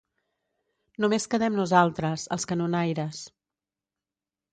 Només quedem nosaltres, els canonaires.